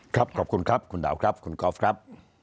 ขอบคุณครับคุณดาวครับคุณกอล์ฟครับ